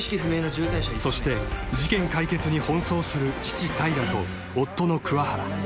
［そして事件解決に奔走する父平と夫の桑原］